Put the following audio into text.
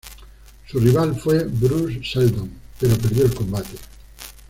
Su rival fue Bruce Seldon, pero perdió el combate.